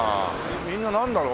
みんななんだろう？